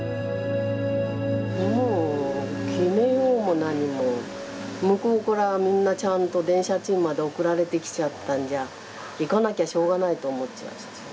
もう決めようも何も向こうからみんなちゃんと電車賃まで送られてきちゃったんじゃ行かなきゃしょうがないと思っちゃうでしょ。